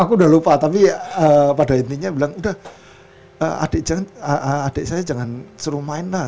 aku udah lupa tapi pada intinya bilang udah adek saya jangan seru main lah